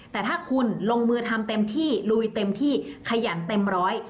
แต่ถ้าคุณลงมือทำเต็มที่ลุยเต็มที่ขยันเต็มร้อย